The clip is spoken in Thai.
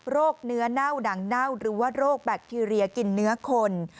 เนื้อเน่าหนังเน่าหรือว่าโรคแบคทีเรียกินเนื้อคน